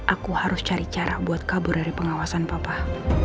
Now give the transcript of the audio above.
aku harus cari cara buat kabur dari pengawasan papa